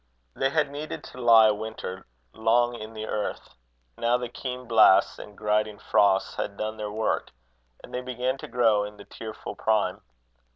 They had needed to lie a winter long in the earth. Now the keen blasts and grinding frosts had done their work, and they began to grow in the tearful prime.